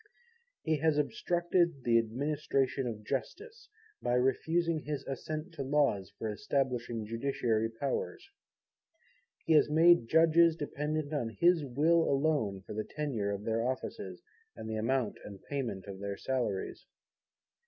He has obstructed the Administration of Justice, by refusing his Assent to Laws for establishing Judiciary Powers. He has made judges dependent on his Will alone, for the tenure of their offices, and the amount and payment of their salaries.